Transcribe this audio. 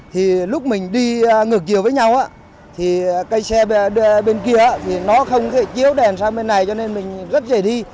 thì lúc mình đi ngược chiều với nhau thì cây xe bên kia thì nó không thể chiếu đèn sang bên này cho nên mình rất dễ đi